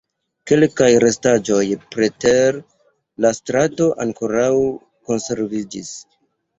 Kelkaj restaĵoj preter la strato ankoraŭ konserviĝis.